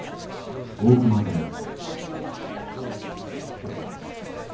結構。